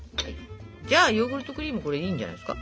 じゃあヨーグルトクリームこれいいんじゃないですか？